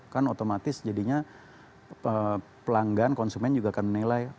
kan otomatis jadinya pelanggan konsumen juga akan menilai